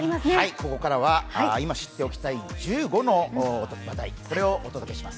ここからは今知っておきたい１５の話題をお届けします。